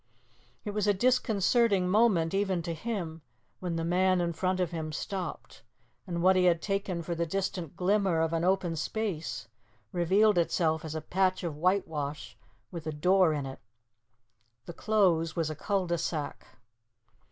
It was a disconcerting moment, even to him, when the man in front of him stopped, and what he had taken for the distant glimmer of an open space revealed itself as a patch of whitewash with a door in it. The close was a cul de sac.